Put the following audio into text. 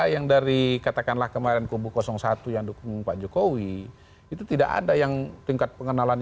yang dari katakanlah kemarin kubu satu yang dukung pak jokowi itu tidak ada yang tingkat pengenalan